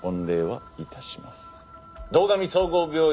堂上総合病院